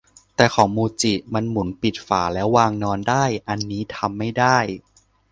แต่ของมูจิมันหมุนปิดฝาแล้ววางนอนได้ อันนี้ทำไม่ได้